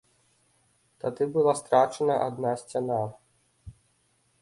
Тады была страчана адна сцяна.